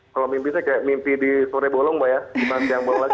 kalau mimpi saya kayak mimpi di sore bolong mbak ya